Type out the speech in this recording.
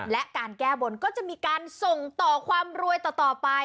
และการแก้บนก็จะมีการส่งต่อความรวยต่อไป